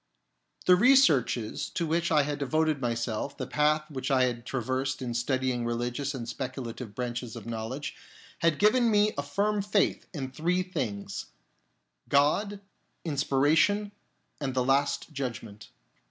The researches to which I had devoted myself, the path which I had traversed in studying religious and speculative branches of knowledge, had given me a firm faith in three things — God, Inspiration, and the Last Judgment.